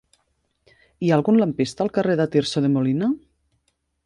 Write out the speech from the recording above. Hi ha algun lampista al carrer de Tirso de Molina?